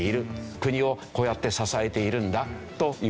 国をこうやって支えているんだという事ですね。